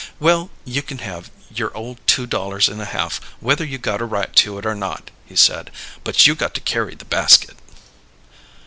"Well, you can have your ole two dollars and a half, whether you got a right to it or not," he said. "But you got to carry the basket."